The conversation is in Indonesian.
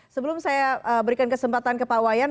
sebelum saya berikan kesempatan ke pak wayan